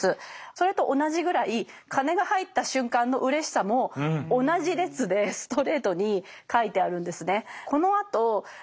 それと同じぐらい金が入った瞬間のうれしさも同じ列でストレートに書いてあるんですね。